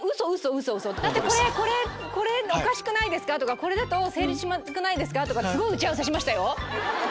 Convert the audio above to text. ウソ⁉これおかしくないですか？とか成立しなくないですか？とかすごい打ち合わせしましたよ